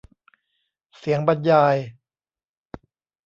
เสียงบรรยาย